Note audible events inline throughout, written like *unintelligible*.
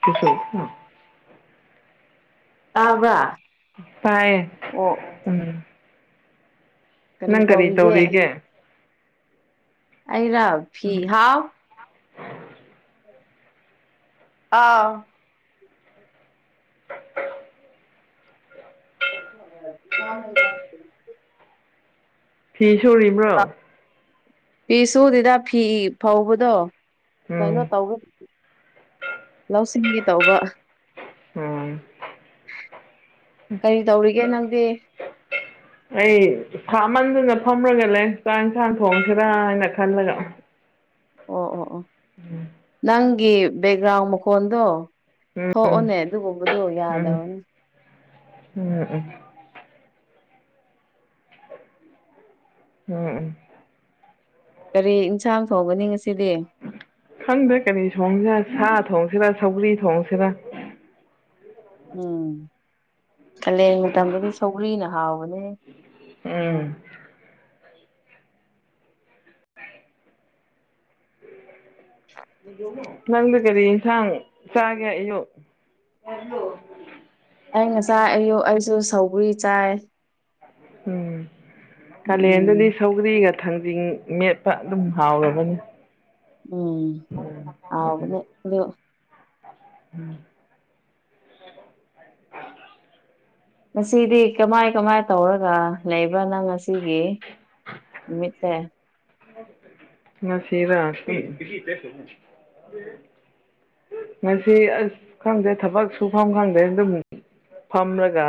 *inaudible* ꯇꯥꯕ꯭ꯔꯥ ꯇꯥꯏꯌꯦ ꯑꯣ ꯎꯝ ꯅꯪ ꯀꯔꯤ ꯇꯧꯔꯤꯒꯦ ꯑꯩꯔꯣ ꯐꯤ ꯎꯝ ꯍꯥꯎ ꯑꯥ *inaudible* ꯐꯤ ꯁꯨꯔꯤꯕ꯭ꯔꯣ ꯐꯤ ꯁꯨꯗꯦꯗ ꯐꯤ ꯐꯕꯗꯣ ꯀꯩꯅꯣ ꯎꯝ ꯇꯧꯒ ꯂꯧꯁꯤꯡꯒꯦ ꯇꯧꯕ ꯎꯝ ꯀꯔꯤ ꯇꯧꯔꯤꯒꯦ ꯅꯪꯗꯤ ꯑꯩ ꯁꯥꯃꯟꯗꯅ ꯐꯝꯔꯒ ꯂꯩ ꯆꯥꯛ ꯌꯦꯟꯁꯥꯡ ꯊꯣꯡꯁꯤꯔꯥ ꯍꯥꯏꯅ ꯈꯜꯂꯒ ꯑꯣ ꯑꯣ ꯑꯣ ꯎꯝ ꯅꯪꯒꯤ ꯕꯦꯛꯒ꯭ꯔꯥꯎꯟ ꯃꯈꯣꯟꯗꯣ ꯎꯝ ꯊꯣꯛꯑꯣꯅꯦ ꯑꯗꯨꯒꯨꯝꯕꯗꯣ ꯎꯝ ꯌꯥꯗꯕꯅꯦ ꯎꯝ ꯎꯝ ꯎꯝ ꯎꯝ ꯀꯔꯤ ꯌꯦꯟꯁꯥꯡ ꯊꯣꯡꯒꯅꯤ ꯉꯁꯤꯗꯤ ꯈꯪꯗꯦ ꯀꯔꯤ ꯊꯣꯡꯁꯤꯔꯥ ꯁꯥ ꯊꯣꯡꯁꯤꯔꯥ ꯁꯧꯒ꯭ꯔꯤ ꯊꯣꯡꯁꯤꯔꯥ ꯎꯝ ꯀꯥꯂꯦꯟ ꯃꯇꯝꯗꯗꯤ ꯁꯧ꯭ꯔꯤꯅ ꯍꯥꯎꯕꯅꯦ ꯎꯝ ꯅꯪꯗꯤ ꯀꯔꯤ ꯌꯦꯟꯁꯥꯡ ꯆꯥꯒꯦ ꯑꯌꯨꯛ ꯑꯩ ꯉꯁꯥꯏ ꯑꯌꯨꯛ ꯑꯩꯁꯨ ꯁꯧꯒꯔꯤ ꯆꯥꯏ ꯎꯝ ꯀꯜꯂꯦꯟꯗꯗꯤ ꯎꯝ ꯁꯧꯒ꯭ꯔꯤꯒ ꯊꯥꯡꯖꯤꯡ ꯃꯦꯠꯄ ꯑꯗꯨꯝ ꯍꯥꯎꯔꯕꯅꯤ ꯎꯝ ꯎꯝ ꯍꯥꯎꯕꯅꯦ ꯑꯗꯣ ꯎꯝ *unintelligible* ꯉꯁꯤꯗꯤ ꯀꯃꯥꯏ ꯀꯃꯥꯏ ꯇꯧꯔꯒ ꯂꯩꯕ꯭ꯔꯥ ꯅꯪ ꯉꯁꯤꯒꯤ ꯅꯨꯃꯤꯠꯁꯦ ꯉꯁꯤꯔꯥ ꯉꯥꯁꯤ ꯑꯁ ꯈꯪꯗꯦ ꯊꯕꯛ ꯁꯨꯐꯝ ꯈꯪꯗꯦ ꯑꯗꯨꯝ ꯐꯝꯔꯒ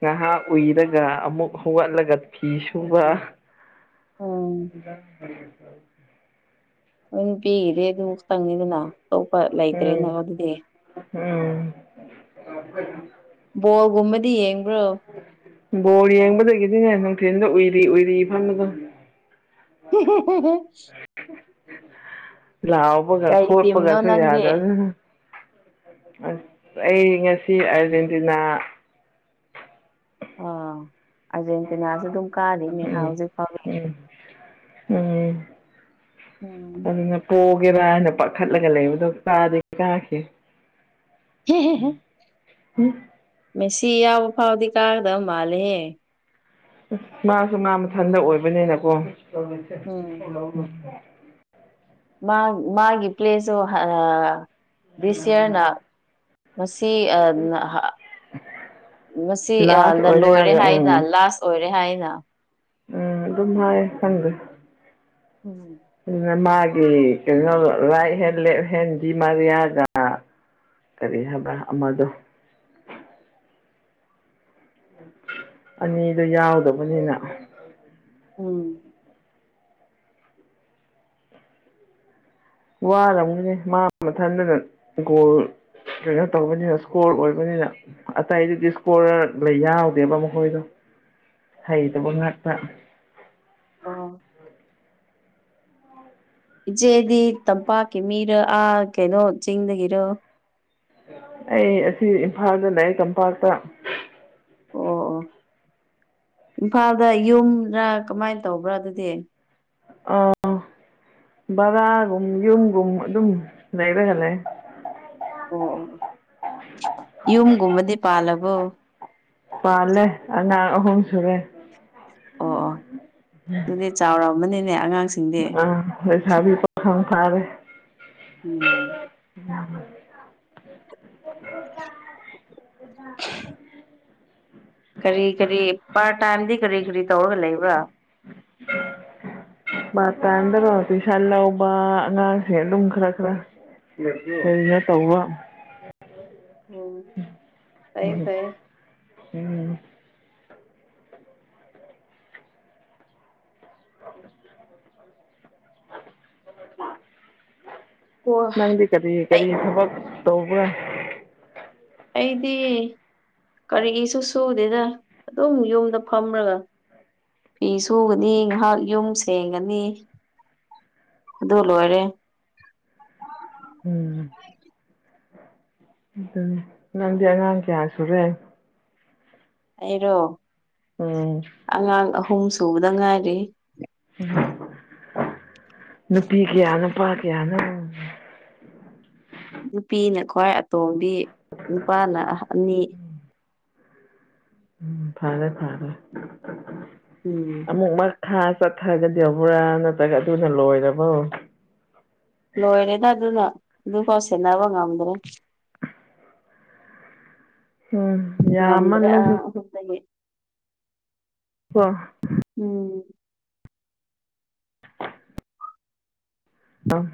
ꯉꯥꯍꯥꯛ ꯎꯏꯔꯒ ꯑꯃꯨꯛ ꯍꯧꯒꯠꯂꯒ ꯐꯤ ꯁꯨꯕ ꯎꯝ *unintelligible* *unintelligible* ꯑꯇꯣꯞꯄ ꯂꯩꯇ꯭ꯔꯦꯅꯦ ꯎꯝ ꯑꯗꯨꯗꯤ ꯎꯝ *unintelligible* ꯕꯣꯜꯒꯨꯝꯕꯗꯤ ꯌꯦꯡꯕ꯭ꯔꯣ ꯕꯣꯔ ꯌꯦꯡꯕꯗꯒꯤꯗꯤꯅꯦ ꯅꯨꯡꯊꯤꯟꯗ ꯎꯏꯔꯤ ꯎꯏꯔꯤ ꯐꯝꯕꯗꯣ *unintelligible* ꯂꯥꯎꯕꯒ ꯀꯩ ꯇꯤꯝꯅꯣ ꯈꯣꯠꯄꯒꯁꯨ ꯅꯪꯗꯤ ꯌꯥꯗꯕꯅꯤꯅ ꯑꯩ ꯉꯁꯤ ꯑ꯭ꯔꯖꯦꯟꯇꯤꯅꯥ ꯑꯥ ꯑ꯭ꯔꯖꯦꯟꯇꯤꯅꯥꯖꯨ ꯑꯗꯨꯝ ꯀꯥꯔꯤꯅꯦꯍꯥ ꯎꯝ ꯍꯧꯖꯤꯛ ꯐꯥꯎ ꯎꯝ ꯎꯝ ꯑꯗꯨꯅ ꯀꯣꯒꯦꯔꯥ ꯍꯥꯏꯅ ꯄꯥꯈꯠꯂꯒ ꯂꯩꯕꯗꯣ ꯀꯥꯗꯤ ꯀꯥꯈꯤ ꯎꯝ ꯃꯦꯁꯤ ꯌꯥꯎꯕ ꯐꯥꯎꯗꯤ ꯀꯥꯒꯗꯕ ꯃꯥꯜꯂꯦꯍꯦ ꯃꯥꯁꯨ ꯃꯥ ꯃꯊꯟꯇ ꯑꯣꯏꯕꯅꯤꯅꯀꯣ ꯎꯝ ꯃꯥ ꯃꯥꯒꯤ ꯀꯦꯁꯁꯨ ꯗꯤꯁ ꯌ꯭ꯥꯔꯅ ꯃꯁꯤ *unintelligible* ꯉꯥꯁꯤ ꯂꯥꯁ ꯂꯣꯏꯔꯦ ꯑꯣꯏꯅꯤꯡꯉꯥꯏꯗ ꯍꯥꯏꯅ ꯎꯝ ꯂꯥꯁ ꯑꯣꯏꯔꯦ ꯍꯥꯏꯅ ꯎꯝ ꯑꯗꯨꯝ ꯅꯣꯏ ꯈꯪꯗꯦ ꯎꯝ ꯃꯥꯒꯤ ꯀꯩꯅꯣ ꯔꯥꯏꯠ ꯍꯦꯟ ꯂꯦꯞ ꯍꯦꯟ ꯗꯤꯃꯔꯤꯌꯥꯒ ꯀꯔꯤ ꯍꯥꯏꯕ꯭ꯔꯥ ꯑꯃꯗꯣ ꯑꯅꯤꯗꯣ ꯌꯥꯎꯗꯕꯅꯤꯅ ꯎꯝ ꯋꯥꯔꯝꯅꯤꯅꯦ ꯃꯥ ꯃꯊꯟꯇꯅ ꯒꯣꯜ ꯀꯩꯅꯣ ꯇꯧꯕꯅꯤꯅ ꯏꯁꯀꯣꯔ ꯑꯣꯏꯕꯅꯤꯅ ꯑꯇꯩꯗꯨꯗꯤ ꯏꯁꯀꯣꯔ ꯂꯩ ꯌꯥꯎꯗꯦꯕ ꯃꯈꯣꯏꯗꯣ ꯍꯩꯇꯕ ꯉꯥꯛꯇ ꯑꯣ ꯏꯆꯦꯗꯤ ꯇꯝꯄꯥꯛꯀꯤ ꯃꯤꯔꯣ ꯑꯥ ꯀꯩꯅꯣ ꯆꯤꯡꯗꯒꯤꯔꯣ ꯑꯩ ꯑꯁꯤ ꯏꯝꯐꯥꯜꯗ ꯂꯩꯌꯦ ꯇꯝꯄꯥꯛꯇ ꯑꯣ ꯑꯣ ꯏꯝꯐꯥꯜꯗ ꯌꯨꯝꯔ ꯀꯃꯥꯏ ꯇꯧꯕ꯭ꯔꯥ ꯑꯗꯨꯗꯤ ꯑꯥ ꯕꯔꯥꯒꯨꯝ ꯌꯨꯝꯒꯨꯝ ꯑꯗꯨꯝ ꯂꯩꯔꯒ ꯂꯩꯌꯦ ꯑꯣ ꯑꯣ ꯌꯨꯝꯒꯨꯝꯕꯗꯤ ꯄꯥꯜꯂꯕꯣ ꯄꯥꯜꯂꯦ ꯑꯉꯥꯡ ꯑꯍꯨꯝ ꯁꯨꯔꯦ ꯑꯣ ꯑꯣ ꯑꯗꯨꯅꯦ ꯆꯥꯎꯔꯝꯃꯅꯤꯅꯦ ꯑꯉꯥꯡꯁꯦ ꯑꯥ ꯂꯩꯁꯥꯕꯤ ꯄꯥꯈꯪ ꯐꯥꯔꯦ ꯎꯝ ꯂꯥꯡꯒꯅꯨ *unintelligible* *inaudible* ꯀꯔꯤ ꯀꯔꯤ ꯄꯥꯔ ꯇꯥꯏꯝꯗꯤ ꯀꯔꯤ ꯀꯔꯤ ꯇꯧꯔꯒ ꯂꯩꯕ꯭ꯔꯥ *inaudible* ꯄꯔꯥ ꯇꯥꯝꯗꯅꯥ ꯄꯩꯁꯥ ꯂꯩꯕ ꯑꯉꯥꯡꯁꯤꯡ ꯑꯗꯨꯝ ꯈꯔ ꯈꯔ ꯑꯦꯌꯥ ꯇꯧ *unintelligible* ꯎꯝ ꯐꯩ ꯎꯝ ꯐꯩꯌ‌ꯦ ꯎꯝ *unintelligible* ꯎ *unintelligible* ꯀꯣ ꯅꯪꯗꯤ ꯀꯔꯤ ꯑꯩ ꯀꯔꯤ ꯊꯕꯛ ꯇꯧꯕ꯭ꯔꯥ ꯑꯩꯗꯤ ꯀꯔꯤꯒꯤꯁꯨ ꯁꯨꯗꯦꯗ ꯑꯗꯨꯝ ꯌꯨꯝꯗ ꯐꯝꯔꯒ ꯐꯤ ꯁꯨꯒꯅꯤ ꯉꯥꯏꯍꯥꯛ ꯌꯨꯝ ꯁꯦꯡꯒꯅꯤ ꯑꯗꯨ ꯂꯣꯏꯔꯦ ꯎꯝ ꯅꯪꯗꯤ ꯑꯉꯥꯡ ꯀꯌꯥ ꯁꯨꯔꯦ ꯑꯩꯔꯣ ꯎꯝ ꯑꯉꯥꯡ ꯑꯍꯨꯝ ꯁꯨꯕꯗ ꯉꯥꯏꯔꯤ ꯎꯝ ꯅꯨꯄꯤ ꯀꯌꯥ ꯅꯨꯄꯥ ꯀꯌꯥꯅꯣ ꯅꯨꯄꯤꯅ ꯈ꯭ꯋꯥꯏ ꯑꯇꯣꯝꯕꯤ ꯅꯨꯄꯥꯅ ꯑꯅꯤ ꯎꯝ ꯐꯔꯦ ꯐꯔꯦ ꯎꯝ ꯑꯃꯨꯛꯃꯛ ꯈꯥ ꯆꯠꯊꯔꯒꯗꯤꯕ꯭ꯔꯥ ꯅꯠꯇ꯭ꯔꯒ ꯑꯗꯨꯅ ꯂꯣꯏꯔꯕꯣ ꯂꯣꯏꯔꯦꯅ ꯑꯗꯨꯅ ꯑꯗꯨꯐꯥꯎ ꯁꯦꯟꯅꯕ ꯉꯝꯗ꯭ꯔꯦ ꯎꯝ ꯉꯝꯗ꯭ꯔꯦ ꯌꯥꯃꯂꯟꯂꯁꯨ ꯑꯥ ꯑꯍꯨꯝꯗꯒꯤ ꯑ *unintelligible* ꯎꯝ *inaudible* ꯑ *inaudible*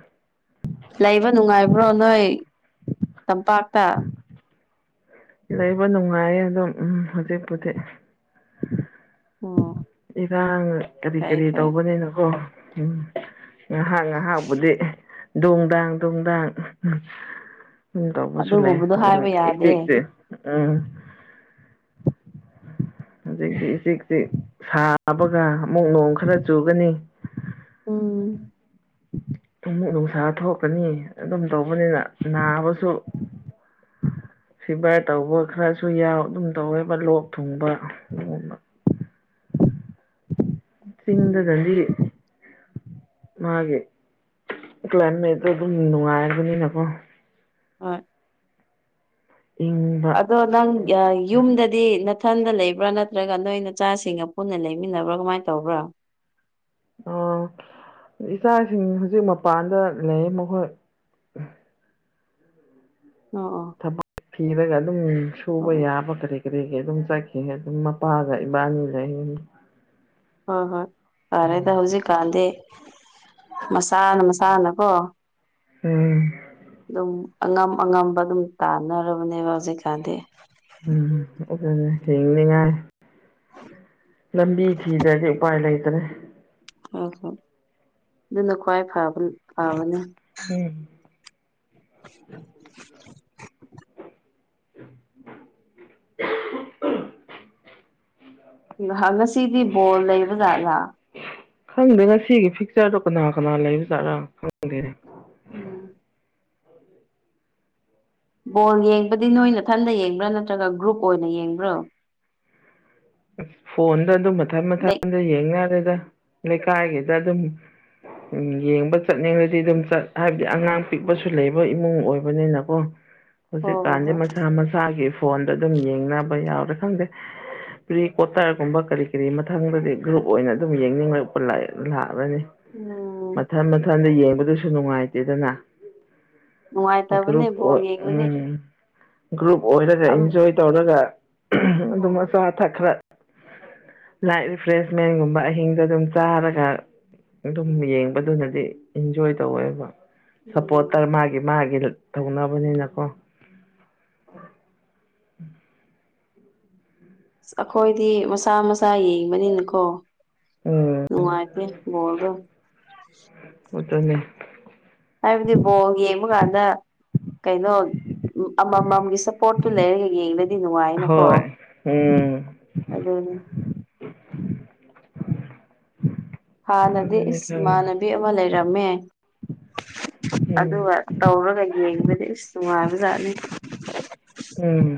ꯂꯩꯕ ꯅꯨꯡꯉꯥꯏꯕ꯭ꯔꯣ ꯅꯣꯏ ꯇꯝꯄꯥꯛꯇ ꯂꯩꯕ ꯅꯨꯡꯉꯥꯏꯌꯦ ꯑꯗꯨꯝ ꯎꯝ ꯍꯧꯖꯤꯛꯄꯨꯗꯤ ꯎꯝ ꯏꯔꯥꯡ ꯀꯔꯤ ꯀꯔꯤ ꯇꯧꯕꯅꯤꯅꯀꯣ ꯎꯝ ꯉꯥꯏꯍꯥꯛ ꯉꯥꯏꯍꯥꯛꯕꯨꯗꯤ ꯗꯨꯡ ꯗꯥꯡ ꯗꯨꯡ ꯗꯥꯡ ꯎꯝ ꯇꯕꯨꯁ ꯂꯩ ꯑꯗꯨꯒꯨꯝꯕꯗꯣ ꯍꯥꯏꯕ ꯏꯆꯦ ꯌꯥꯗꯦ ꯏꯆꯦ *unintelligible* ꯎꯝꯁꯤ ꯁꯤꯁꯤ *unintelligible* ꯁꯥꯕꯒ ꯑꯃꯨꯛ ꯅꯣꯡ ꯈꯔ ꯆꯨꯒꯅꯤ ꯎꯝ ꯑꯃꯨꯛ ꯅꯨꯡꯁꯥ ꯊꯣꯛꯀꯅꯤ ꯑꯗꯨꯝ ꯇꯧꯕꯅꯤꯅ ꯅꯥꯕꯁꯨ ꯁꯤꯐꯥꯏ ꯇꯧꯕ ꯈꯔꯁꯨ ꯌꯥꯎ ꯑꯗꯨꯝ ꯇꯧꯋꯦꯕ ꯂꯣꯛ ꯊꯨꯡꯕ ꯑꯗꯨꯒꯨꯝꯕ ꯎꯝ ꯆꯤꯡꯗꯒꯗꯤ ꯃꯥꯒꯤ ꯀ꯭ꯂꯥꯏꯃꯦꯠꯇꯣ ꯑꯗꯨꯝ ꯅꯨꯡꯉꯥꯏꯔꯕꯅꯤꯅꯀꯣ ꯍꯣꯏ ꯆꯤꯡ ꯑꯗꯣ ꯅꯪ ꯌꯨꯝꯗꯗꯤ ꯅꯥꯊꯟꯗ ꯂꯩꯕ꯭ꯔꯥ ꯅꯠꯇ꯭ꯔꯒ ꯅꯣꯏ ꯅꯆꯥꯁꯤꯡꯒ ꯄꯨꯟꯅ ꯂꯩꯃꯤꯟꯅꯕ꯭ꯔꯥ ꯀꯃꯥꯏꯅ ꯇꯧꯕ꯭ꯔꯥ ꯑꯣ ꯏꯆꯥꯁꯤꯡ ꯍꯧꯖꯤꯛ ꯃꯄꯥꯟꯗ ꯂꯩ ꯃꯈꯣꯏ ꯑꯣ ꯑꯣ ꯊꯕꯛ ꯊꯤꯔꯒ ꯑꯗꯨꯝ ꯁꯨꯕ ꯑꯣ ꯑꯣ ꯌꯥꯕ ꯀꯔꯤ ꯀꯔꯤꯒꯤ ꯑꯗꯨꯝ ꯆꯠꯈꯤ ꯑꯗꯨꯝ ꯃꯄꯥꯒ ꯏꯕꯥꯅꯤ ꯂꯩ ꯍꯣꯏ ꯍꯣꯏ ꯐꯔꯦꯗ ꯍꯧꯖꯤꯛꯀꯥꯟꯗꯤ ꯃꯁꯥꯅ ꯃꯁꯥꯅꯀꯣ ꯎꯝ ꯑꯗꯨꯝ ꯑꯉꯝ ꯑꯉꯝꯕ ꯑꯗꯨꯝ ꯇꯥꯟꯅꯔꯕꯅꯦꯕ ꯍꯧꯖꯤꯛꯀꯥꯟꯗꯤ ꯎꯝ ꯑꯗꯨꯅꯦ ꯍꯤꯡꯅꯤꯉꯥꯏ ꯂꯝꯕꯤ ꯊꯤꯗ꯭ꯔꯗꯤ ꯎꯄꯥꯏ ꯂꯩꯇ꯭ꯔꯦ ꯑꯣ ꯍꯣ ꯑꯗꯨꯅ ꯈ꯭ꯋꯥꯏꯕ ꯐꯥꯕꯅꯦ ꯎꯝ *inaudible* *inaudible* ꯉꯍ ꯉꯁꯤꯗꯤ ꯕꯣꯜ ꯂꯩꯕ ꯖꯥꯠꯂꯥ ꯈꯪꯗꯦ ꯉꯁꯤꯒꯤ ꯐꯤꯛꯆꯔꯗꯣ ꯀꯅꯥ ꯀꯅꯥ ꯂꯩꯕꯖꯥꯠꯔꯥ ꯈꯪꯗꯦꯅꯦ ꯎꯝ ꯕꯣꯜ ꯌꯦꯡꯕꯗꯤ ꯅꯣꯏꯅꯊꯟꯗ ꯌꯦꯡꯕ꯭ꯔꯥ ꯅꯠꯇ꯭ꯔꯒ ꯒ꯭ꯔꯨꯞ ꯑꯣꯏꯅ ꯌꯦꯡꯕ꯭ꯔꯣ ꯐꯣꯟꯗ ꯑꯗꯨꯝ ꯃꯊꯟ ꯂꯩ ꯃꯊꯟꯗ ꯌꯦꯡꯅꯔꯦꯗ ꯂꯩꯀꯥꯏꯒꯤꯗ ꯑꯗꯨꯝ ꯎꯝ ꯌꯦꯡꯕ ꯆꯠꯅꯤꯡꯉꯗꯤ ꯑꯗꯨꯝ ꯆꯠ ꯍꯥꯏꯕꯗꯤ ꯑꯉꯥꯡ ꯄꯤꯛꯄꯁꯨ ꯂꯩꯕ ꯏꯃꯨꯡ ꯑꯣꯏꯕꯅꯤꯅꯀꯣ *inaudible* ꯍꯧꯖꯤꯛꯀꯥꯟꯗꯤ ꯍꯣꯏ ꯃꯁꯥ ꯃꯁꯥꯒꯤ ꯐꯣꯟꯗ ꯑꯗꯨꯝ ꯌꯦꯡꯅꯕ ꯌꯥꯎꯔꯦ ꯈꯪꯗꯦ ꯄ꯭ꯔꯤ ꯀ꯭ꯋꯥꯇꯔꯒꯨꯝꯕ ꯀꯔꯤ ꯀꯔꯤ ꯃꯊꯪꯗꯗꯤ ꯒ꯭ꯔꯨꯞ ꯑꯣꯏꯅ ꯑꯗꯨꯝ ꯌꯦꯡꯅꯤꯡꯂꯛꯄ ꯂꯥꯛꯑꯂꯅꯤ ꯎꯝ ꯃꯊꯟ ꯃꯊꯟꯗ ꯌꯦꯡꯕꯗꯁꯨ ꯅꯨꯡꯉꯥꯏꯇꯦꯗꯅ ꯅꯨꯡꯉꯥꯏꯇꯕꯅꯦ ꯭ꯒꯔꯨꯞ ꯕꯣꯜ ꯑꯣꯏ ꯌꯦꯡꯕꯗꯤ ꯎꯝ ꯒ꯭ꯔꯨꯞ ꯑꯣꯏꯔꯒ ꯑꯝ ꯏꯟꯖꯣꯏ ꯇꯧꯔꯒ ꯑꯗꯨꯝ ꯑꯆꯥ ꯑꯊꯛ ꯈꯔ ꯂꯥꯏꯠ ꯔꯤꯐ꯭ꯔꯦꯁꯃꯦꯟꯒꯨꯝꯕ ꯑꯍꯤꯡꯗ ꯑꯗꯨꯝ ꯆꯥꯔꯒ ꯑꯗꯨꯝ ꯌꯦꯡꯕꯗꯨꯅꯗꯤ ꯏꯟꯖꯣꯏ ꯇꯧꯋꯦꯕ ꯎꯝ ꯁꯞꯄꯣꯔꯠꯇꯔ ꯃꯥꯒꯤ ꯃꯥꯒꯤ ꯇꯧꯅꯕꯅꯤꯅꯀꯣ ꯑ ꯑꯩꯈꯣꯏꯗꯤ ꯃꯁꯥ ꯃꯁꯥ ꯌꯦꯡꯕꯅꯤꯅꯀꯣ ꯎꯝ ꯅꯨꯡꯉꯥꯏꯇꯦ ꯕꯣꯜꯗꯣ *unintelligible* ꯍꯥꯏꯕꯗꯤ ꯕꯣꯜ ꯌꯦꯡꯕ ꯀꯥꯟꯗ ꯀꯩꯅꯣ ꯑꯃꯃꯝꯒꯤ ꯁꯞꯄꯣꯔꯠꯇꯨ ꯂꯩꯔꯒ ꯌꯦꯡꯗꯗꯤ ꯅꯨꯡꯉꯥꯏꯅꯀꯣ ꯍꯣꯏ ꯎꯝ ꯑꯗꯨꯅ ꯍꯥꯟꯅꯗꯤ ꯑꯗꯨꯅꯦ ꯏꯁ ꯈꯪꯉꯦ ꯏꯃꯥꯟꯅꯕꯤ ꯑꯃ ꯂꯩꯔꯝꯃꯦ ꯎꯝ ꯑꯗꯨꯒ ꯇꯧꯔꯒ ꯌꯦꯡꯕꯗꯤ ꯑꯁ ꯅꯨꯡꯉꯥꯏꯕꯖꯥꯠꯅꯤ ꯎꯝ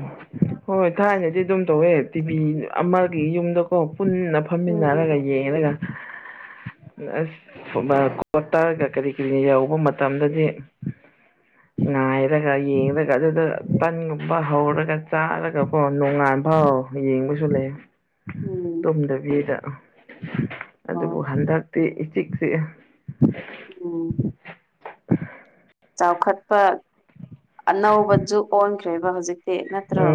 ꯍꯣꯏ ꯍꯢꯊꯥꯏꯅꯗꯤ ꯑꯗꯨꯝ ꯇꯧꯋꯦ ꯇꯤꯚꯤ ꯑꯃꯒꯤ ꯌꯨꯝꯗꯀꯣ ꯄꯨꯟꯅ ꯎꯝ ꯐꯝꯃꯤꯟꯅꯔꯒ ꯌꯦꯡꯉ ꯌꯦꯉꯒ ꯑꯁ *unintelligible* ꯇꯥꯔꯒ ꯀꯔꯤ ꯀꯔꯤ ꯌꯥꯎꯕ ꯃꯇꯝꯗꯗꯤ ꯉꯅꯥꯏꯔꯒ ꯌꯦꯡꯒ ꯑꯗꯨꯗ ꯇꯟꯒꯨꯝꯕ ꯍꯧꯔꯒ ꯆꯥꯔꯒ ꯑ ꯀꯣ ꯅꯣꯡꯉꯥꯟ ꯐꯥꯎ ꯌꯦꯡꯕꯁꯨ ꯂꯩ ꯎꯝ ꯇꯨꯝꯗꯕꯤꯗ ꯑꯣ ꯑꯗꯨꯕꯨ ꯍꯟꯗꯛ ꯆꯦ ꯏꯆꯤꯛ ꯆꯤꯛꯑꯦ ꯎꯝ ꯆꯥꯎꯈꯠꯄ ꯑꯅꯧꯕ ꯖꯨꯛ ꯑꯣꯟꯈ꯭ꯔꯦꯕ ꯍꯧꯖꯤꯛ ꯇꯦ ꯅꯠꯇ꯭ꯔꯣ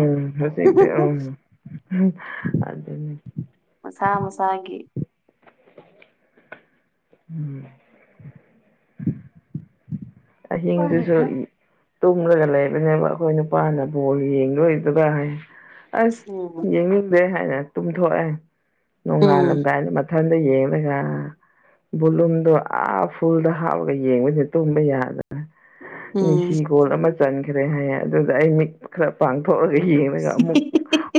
ꯑꯗꯨꯅꯦ ꯃꯁꯥ ꯃꯁꯥꯒꯤ ꯎꯝ ꯑꯍꯤꯡꯗꯨꯁꯨ ꯎꯝ ꯇꯨꯝꯔꯒ ꯂꯩꯕꯅꯦꯕ ꯑꯩꯈꯣꯏ ꯅꯨꯄꯥꯅ ꯕꯣꯜ ꯌꯦꯡꯗꯣꯏꯗꯨꯒ ꯍꯥꯏ ꯑꯁ ꯌꯦꯡꯅꯤꯡꯗꯦ ꯍꯥꯏꯅ ꯇꯨꯝꯊꯣꯛꯑꯦ ꯎꯝ ꯅꯣꯡꯉꯥꯜꯂꯝꯗꯥꯏꯗ ꯃꯠ ꯊꯟꯗ ꯌꯦꯡꯂꯒ ꯕꯨꯂꯨꯝꯗꯣ ꯑꯥ ꯐꯨꯜꯗ ꯍꯥꯞꯄꯒ ꯌꯦꯡꯕꯁꯤ ꯇꯨꯝꯕ ꯌꯥꯠ ꯎꯝ ꯃꯦꯁꯤ ꯒꯣꯜ ꯑꯃ ꯆꯟꯈ꯭ꯔꯦ ꯍꯥꯏꯌꯦ ꯑꯗꯨꯒ ꯑꯩ ꯃꯤꯠ ꯈꯔ ꯄꯥꯡꯊꯣꯛꯑꯒ ꯌꯦꯡꯂꯒ ꯑꯃꯨꯛ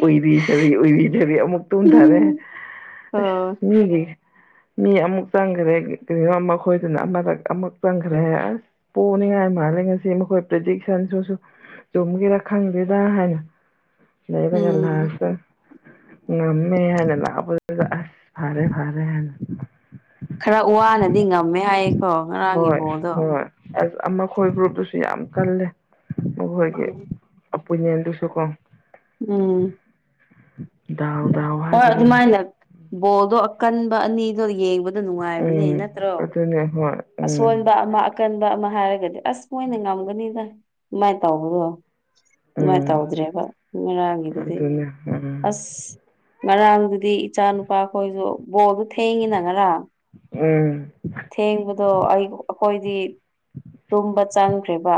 ꯎꯏꯔꯤꯁꯥꯔꯤ ꯎꯏꯔꯤꯁꯤꯔꯤ ꯑꯃꯨꯛ ꯇꯨꯝꯊꯥꯔꯦ ꯑꯁ ꯑꯣ ꯃꯤꯒꯤ ꯃꯤ ꯑꯃꯨꯛ ꯆꯪꯒꯔꯦ ꯀꯔꯤꯔꯣ ꯃꯈꯣꯏꯗꯨꯅ ꯑꯃꯗꯛ ꯑꯃꯨꯛ ꯆꯪꯈꯔꯦ ꯑꯁ ꯄꯣꯅꯤꯡꯉꯥꯏ ꯃꯥꯜꯂꯦ ꯉꯁꯤ ꯃꯈꯣꯏ ꯄ꯭ꯔꯤꯗꯤꯛꯁꯟꯁꯨꯁꯨ ꯆꯨꯝꯒꯦꯔ ꯈꯪꯗꯦꯗ ꯍꯥꯏꯅ ꯂꯩꯔꯒ ꯎꯝ ꯂꯥꯁꯇ ꯉꯝꯃꯦ ꯍꯥꯏꯅ ꯂꯥꯄꯗꯨꯕ ꯑꯁ ꯐꯔꯦ ꯐꯔꯦ ꯍꯥꯏꯅ ꯈꯔ ꯋꯥꯅꯗꯤ ꯉꯝꯃꯦ ꯍꯥꯏꯌꯦꯀꯣ ꯉꯔꯥꯡ ꯕꯣꯜꯗꯣ ꯑꯦꯁ ꯑꯃꯈꯣꯏ ꯒ꯭ꯔꯨꯞꯇꯨꯁꯨ ꯌꯥꯝ ꯀꯜꯂꯦ ꯃꯈꯣꯏꯒꯤ ꯎꯝ ꯑꯄꯨꯌꯦꯟꯗꯨꯁꯨ ꯀꯣ ꯎꯝ ꯗꯥꯎ ꯗꯥꯎ ꯍꯣꯏ ꯍꯥꯏꯕꯗꯨꯅꯦ ꯑꯗꯨꯃꯥꯏꯅ ꯕꯣꯜꯗꯣ ꯑꯀꯟꯕ ꯑꯅꯤꯗꯣ ꯌꯦꯡꯕ ꯑꯗꯨ ꯅꯨꯡꯉꯥꯏꯕꯅꯦ ꯎꯝ ꯅꯠꯇ꯭ꯔꯣ ꯑꯗꯨꯅꯦ ꯍꯣꯏ ꯑꯁꯣꯟ ꯎꯝ ꯕ ꯑꯃ ꯑꯀꯟꯕ ꯑꯃ ꯍꯥꯏꯔꯒꯗꯤ ꯑꯁ ꯃꯣꯏꯅ ꯉꯝꯒꯅꯤꯗ ꯑꯗꯨꯃꯥꯏꯅ ꯇꯧꯕꯗꯣ ꯑꯗꯨꯃꯥꯏꯟ ꯎꯝ ꯇꯧꯗ꯭ꯔꯦꯕ ꯉꯔꯥꯡꯒꯤꯗꯨꯗꯤ ꯑꯗꯨꯅꯦ ꯎꯝ ꯑꯁ ꯉꯔꯥꯡꯗꯨꯗꯤ ꯏꯆꯥ ꯅꯨꯄꯥ ꯑꯩꯈꯣꯏꯁꯨ ꯕꯣꯜꯗꯨ ꯊꯦꯡꯉꯤꯅ ꯉꯔꯥꯡ ꯎꯝ ꯊꯦꯡꯕꯗꯣ ꯑꯩ ꯑꯩꯈꯣꯏꯗꯤ ꯇꯨꯝꯕ ꯆꯪ ꯈ꯭ꯔꯦꯕ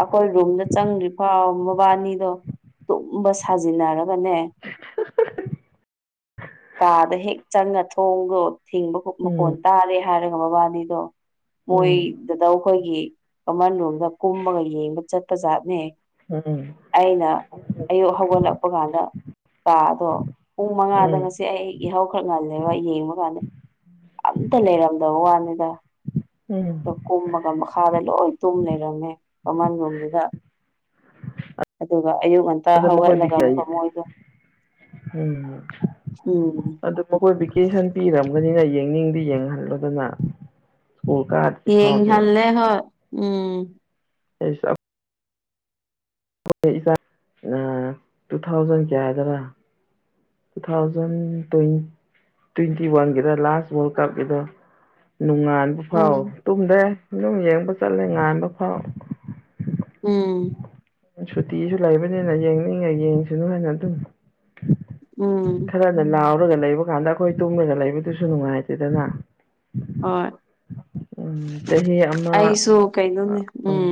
ꯑꯩꯈꯣꯏ ꯔꯨꯝꯗ ꯆꯪꯗ꯭ꯔꯤꯐꯥꯎ ꯃꯕꯥꯅꯤꯗꯣ ꯕ ꯁꯥꯖꯤꯟꯅꯔꯒꯅꯦ ꯀꯥꯗ ꯍꯦꯛ ꯆꯪꯉ ꯊꯣꯡꯗꯣ ꯊꯤꯡꯕ ꯈꯣꯛ ꯎꯝ ꯎꯝ ꯃꯈꯣꯟ ꯇꯥꯔꯦ ꯍꯥꯏꯔꯒ ꯃꯕꯥꯅꯤꯗꯣ ꯎꯝ ꯃꯣꯏꯗꯨꯗ ꯑꯩꯈꯣꯏꯒꯤ ꯀꯃꯟ ꯔꯣꯝꯗ ꯀꯨꯝꯃꯒ ꯌꯦꯡꯕ ꯆꯠꯄ ꯖꯥꯠꯅꯦ ꯎꯝ ꯑꯩꯅ ꯑꯌꯨꯛ ꯍꯧꯒꯠꯂꯛꯄ ꯀꯥꯟꯗ ꯀꯥꯗꯣ ꯄꯨꯡ ꯃꯉꯥꯗ ꯎꯝ ꯉꯁꯤ ꯑꯩ ꯌꯥꯍꯧ ꯈꯔ ꯉꯜꯂꯦꯕ ꯌꯦꯡꯕ ꯀꯥꯟꯗ ꯑꯝꯇ ꯂꯩꯔꯝꯗꯕ ꯋꯥꯅꯤꯗ ꯑꯗꯣ ꯎꯝ ꯀꯨꯝꯃꯒ ꯃꯈꯥꯗ ꯂꯣꯏ ꯇꯨꯝ ꯂꯩꯔꯝꯃꯦ ꯃꯃꯟ ꯔꯣꯝꯗꯨꯗ ꯑꯗꯨꯒ ꯑꯌꯨꯛ ꯉꯟꯇꯥ ꯑꯗꯨ ꯃꯈꯣꯏ ꯍꯧꯒꯠꯂꯒ ꯕꯤꯀꯦ ꯑꯃꯨꯛꯀ ꯃꯣꯏꯗꯣ ꯎꯝ ꯎꯝ ꯑꯗꯨ ꯃꯈꯣꯏ ꯚꯦꯀꯦꯁꯟ ꯄꯤꯔꯝꯒꯅꯤꯅ ꯌꯦꯡꯅꯤꯡꯗꯤ ꯌꯦꯡꯍꯜꯂꯣꯗꯅ ꯁ꯭ꯀꯨꯜ ꯀꯥ ꯌꯦꯡꯍꯜꯂꯦ ꯍꯣꯏ ꯎꯝ *unintelligible* *unintelligible* ꯇꯨ ꯊꯥꯎꯖꯟ ꯀꯌꯥꯗꯔꯥ ꯇꯨ ꯊꯥꯎꯖꯟ ꯇꯣꯏꯟ ꯇꯣꯏꯟꯇꯤ ꯋꯥꯟꯒꯤꯔ ꯂꯥꯁ ꯋꯥꯔꯜ ꯀꯞꯀꯤꯗ ꯅꯣꯡꯉꯥꯟꯕ ꯐꯥꯎ ꯎꯝ ꯇꯨꯝꯗꯦ ꯑꯗꯨꯝ ꯌꯦꯡꯕ ꯆꯠꯂꯦ ꯉꯥꯟꯕ ꯐꯥꯎ ꯎꯝ꯫ ꯁꯨꯇꯤꯁꯨ ꯂꯩꯕꯅꯤꯅ ꯌꯦꯡꯅꯤꯡꯉꯥ ꯌꯦꯡꯁꯅꯨ ꯍꯥꯏꯅ ꯑꯗꯨꯝ ꯎꯝ꯫ ꯈꯔꯅ ꯂꯥꯎꯔꯒ ꯂꯩꯕ ꯀꯥꯟꯗ ꯑꯩꯈꯣꯏ ꯇꯨꯝꯃꯒ ꯂꯩꯕꯗꯨꯁꯨ ꯅꯨꯡꯉꯥꯏꯇꯦꯗꯅ ꯍꯣꯏ ꯎꯝ ꯆꯍꯤ ꯑꯃ ꯑꯩꯁꯨ ꯀꯩꯅꯣꯅꯦ ꯎꯝ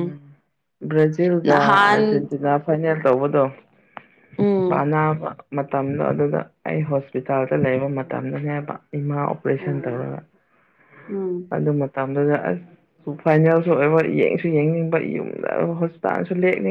ꯕ꯭ꯔꯖꯤꯜꯒ ꯅꯍꯥꯟ ꯑꯔꯖꯦꯟꯇꯤꯅꯥ ꯐꯥꯏꯅꯦꯜ ꯇꯧꯕꯗꯣ ꯎꯝ ꯄꯅꯥꯕ ꯃꯇꯝꯗꯣ ꯑꯗꯨꯗ ꯑꯩ ꯍꯣꯁꯄꯤꯇꯥꯜꯗ ꯂꯩꯕ ꯃꯇꯝꯗꯅꯦꯕ ꯏꯃꯥ ꯑꯣꯄꯔꯦꯁꯟ ꯑꯣ ꯇꯧꯔꯒ ꯎꯝ ꯑꯗꯨꯃꯛ ꯃꯇꯝꯗꯨꯗ ꯑꯁ ꯐꯥꯏꯅꯦꯜꯁꯨ ꯑꯣꯏꯕ ꯌꯦꯡꯁꯨ ꯌꯦꯡꯅꯤꯡꯕ ꯌꯨꯝꯗ ꯍꯣꯁꯄꯤꯇꯥꯜꯁꯨ ꯂꯦꯛꯅꯤꯡꯉꯥꯏ